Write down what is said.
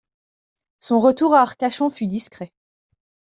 Son retour à Arcachon fut discret.